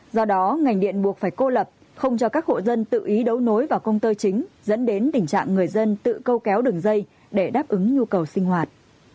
do đó ngành điện buộc phải cô lập không cho các hộ dân tự ý đấu nối vào công tơ chính dẫn đến tình trạng người dân tự câu kéo đường dây để đáp ứng nhu cầu sinh hoạt